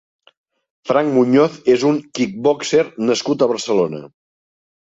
Frank Muñoz és un kickboxer nascut a Barcelona.